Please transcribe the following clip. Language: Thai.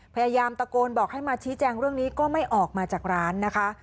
พยายามตะโกนบอกให้มาชี้แจงเรื่องนี้ก็ไม่ออกมาจากร้านนะคะ